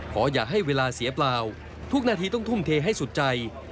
ขออย่าให้เวลาเสียเปล่าทุกนาทีต้องทุ่มเทให้สุดใจ